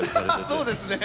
そうですね。